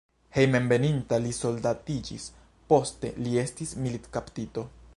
Hejmenveninta li soldatiĝis, poste li estis militkaptito.